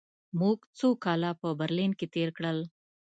موږ څو کاله په برلین کې تېر کړل